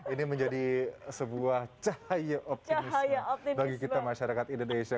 ini menjadi sebuah cahaya optimisme bagi kita masyarakat indonesia